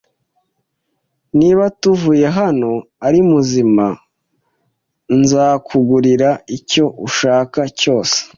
Niba tuvuye hano ari muzima, nzakugurira icyo ushaka cyose.